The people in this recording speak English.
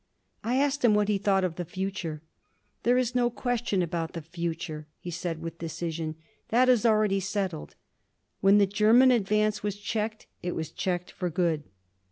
I asked him what he thought of the future. "There is no question about the future," he said with decision. "That is already settled. When the German advance was checked it was checked for good."